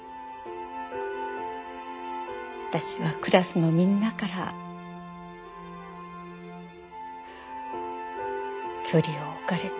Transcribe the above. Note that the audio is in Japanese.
私はクラスのみんなから距離を置かれて。